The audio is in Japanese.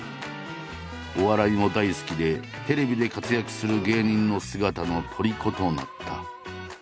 お笑いも大好きでテレビで活躍する芸人の姿の虜となった。